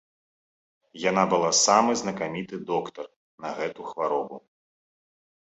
Яна была самы знакаміты доктар на гэту хваробу.